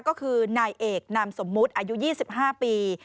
ก็คือนายเอกนามสมมุติอายุ๒๕ปี